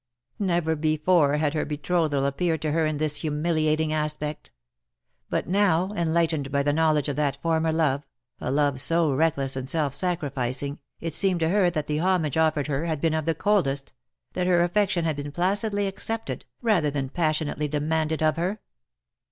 Never before had her betrothal appeared to her in this humiliating aspect ; but now, enlightened by the knowledge of that former love, a love so reckless and self sacrificing, it seemed to her that the homage offered her had been of the coldest — that her affection had been placidly accepted, rather than passionately demanded of her.